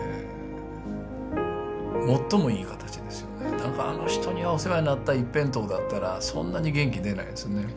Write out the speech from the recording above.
なんかあの人にはお世話になった一辺倒だったらそんなに元気出ないですね。